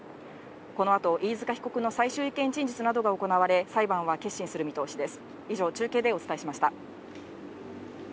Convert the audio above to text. このあと、飯塚被告の最終意見陳述などが行われ、裁判は結審する見通しです。